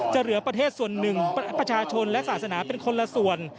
เหลือประเทศส่วนหนึ่งประชาชนและศาสนาเป็นคนละส่วน